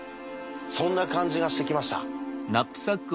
そんな感じがしてきました。